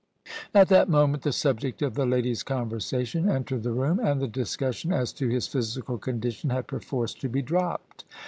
At that moment the subject of the ladies' conversation entered the room, and the discussion as to his physical condi tion had perforce to be dropped.